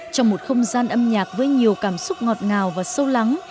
trong một không gian âm nhạc với nhiều cảm xúc ngọt ngào và sâu lắng